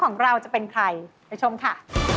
ของเราจะเป็นใครค่ะ